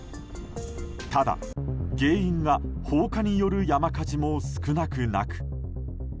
ただ、原因が放火による山火事も少なくなく。